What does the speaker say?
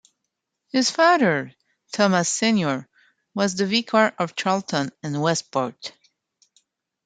His father, Thomas Senior was the vicar of Charlton and Westport.